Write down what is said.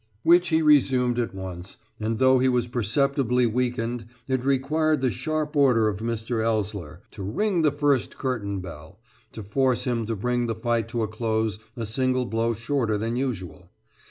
Which be resumed at once, and though he was perceptibly weakened, it required the sharp order of Mr. Ellsler, to "ring the first curtain bell," to force him to bring the fight to a close a single blow shorter than usual.